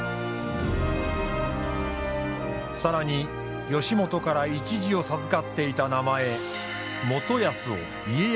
更に義元から１字を授かっていた名前「元康」を「家康